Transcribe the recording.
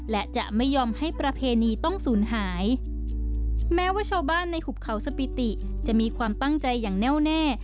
และจะไม่ยอมให้ประเพณีต้องสูญหายแม้ว่าชาวบ้านในหุบเขาสปิติจะมีความตั้งใจอย่างแน่วแน่